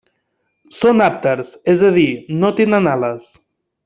Són àpters, és a dir, no tenen ales.